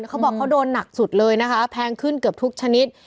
เขาบอกเขาโดนหนักสุดเลยนะคะแพงขึ้นเกือบทุกชนิด